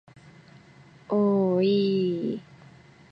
おおおいいいいいい